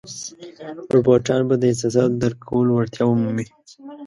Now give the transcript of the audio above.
روباټان به د احساساتو درک کولو وړتیا ومومي.